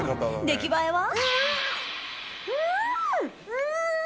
出来栄えは？